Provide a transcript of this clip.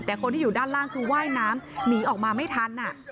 แต่คนที่อยู่ด้านล่างคือว่ายน้ำหนีออกมาไม่ทัน